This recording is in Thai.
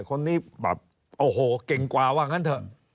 คนนี้แบบโอ้โหเก่งกว่าว่างั้นเถอะ